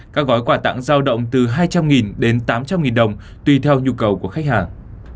các gói quà tặng giao động từ hai trăm linh đến tám trăm linh đồng tùy theo nhu cầu của khách hàng